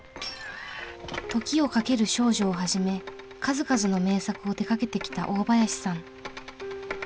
「時をかける少女」をはじめ数々の名作を手がけてきた大林さん。